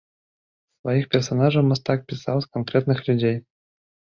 Сваіх персанажаў мастак пісаў з канкрэтных людзей.